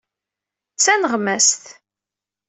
D taneɣmast.